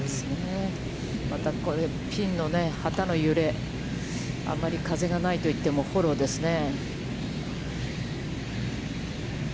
またピンの旗の揺れ、余り風がないといっても、フォローですね。